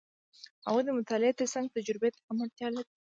هغوی د مطالعې ترڅنګ تجربې ته هم اړتیا لري.